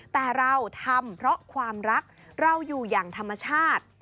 แต่เราทำเพราะความรักเราอยู่อย่างธรรมชาติ